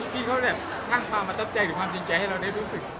พี่เขาแบบทั่งความมาตั้บใจหรือความตื่นใจให้เราได้รู้สึก